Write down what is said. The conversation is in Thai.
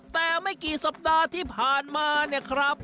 แต่ไม่กี่สัปดาห์ที่ผ่านมาเนี่ยครับ